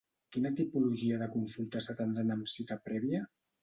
Quina tipologia de consultes s'atendran amb cita prèvia?